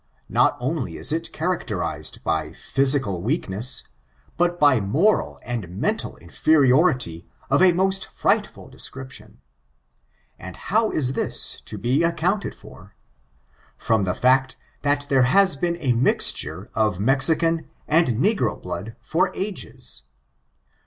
Not only is it characterized by physical weakness, but by moral and menial inferiority of a most frightful description. And how is this to be ^^i^^^^i^iA^i#^^^^^ I FORTUNES, OF THE NEGRO RACE. 413 accounted for ? From the fact that there has been a mixture of Mexican and negro blood for ages.